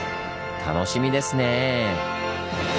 楽しみですね。